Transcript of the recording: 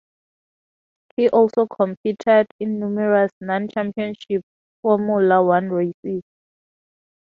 He also competed in numerous non-Championship Formula One races.